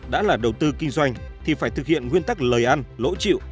đã là đầu tư kinh doanh thì phải thực hiện nguyên tắc lời ăn lỗ chịu